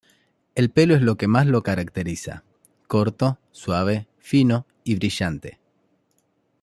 El pelo es lo que más lo caracteriza: corto, suave, fino y brillante.